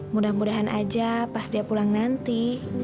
mudah mudahan aja pas dia pulang nanti